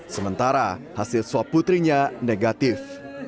sementara hasil swab putrinya negatif